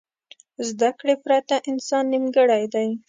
زده کړې پرته انسان نیمګړی دی.